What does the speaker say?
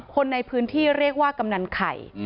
คนในพื้นที่เรียกว่ากำนันไข่